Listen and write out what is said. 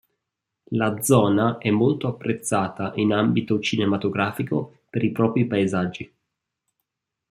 La Zona è molto apprezzata in ambito cinematografico per i propri paesaggi.